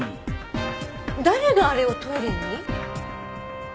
誰があれをトイレに？